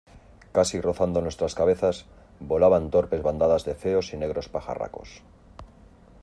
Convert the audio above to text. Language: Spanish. casi rozando nuestras cabezas, volaban torpes bandadas de feos y negros pajarracos.